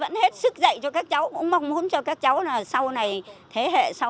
vẫn hết sức dạy cho các cháu mong mong cho các cháu là sau này thế hệ này sẽ tốt hơn